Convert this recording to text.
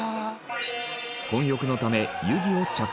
混浴のため湯着を着用。